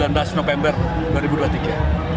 bagaimana antusias kota palembang menurut bapak ini